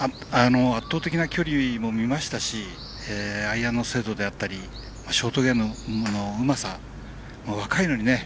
圧倒的な距離も見ましたしアイアンの精度であったりショートのうまさ若いのにね